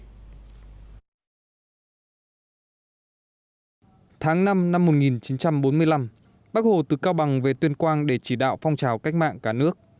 tháng năm năm một nghìn chín trăm bốn mươi năm bác hồ từ cao bằng về tuyên quang để chỉ đạo phong trào cách mạng cả nước